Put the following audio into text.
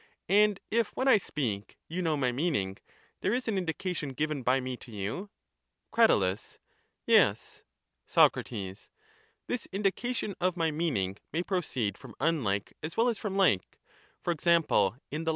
And if when I speak you know my meaning, there is an indication given by me to you? Crat. Yes. Soc. This indication of my meaning may proceed from unlike as well as from like, for example in the